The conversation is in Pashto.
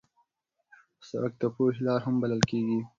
سړک د پوهې لار هم بلل کېږي.